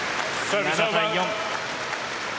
７対４。